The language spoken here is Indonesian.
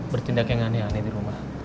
bertindak yang aneh aneh di rumah